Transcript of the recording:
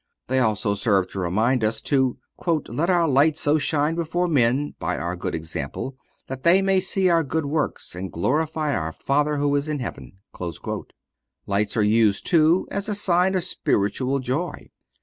They also serve to remind us to "let our light so shine before men (by our good example) that they may see our good works and glorify our Father who is in heaven." Lights are used, too, as a sign of spiritual joy.